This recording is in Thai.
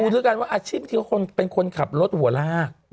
ฮะคุณเนี่ยคุณดูด้วยกันว่าที่เป็นคนขับรถหัวราก